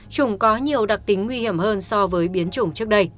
chủng có nhiều đặc tính nguy hiểm hơn so với biến chủng